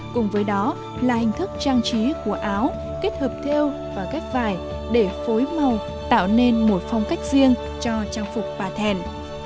cùng với đó là hình thức trang trí của áo kết hợp theo và ghép vải để phối màu tạo nên một phong cách riêng cho trang phục pa thèn